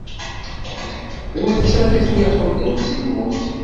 D nettat i ten-iḥudden si lmut.